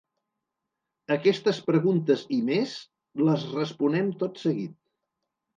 Aquestes preguntes i més les responem tot seguit.